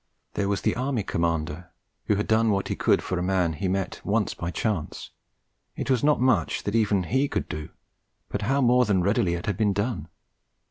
There was the Army Commander, who had done what he could for a man he met but once by chance; it was not much that even he could do, but how more than readily it had been done!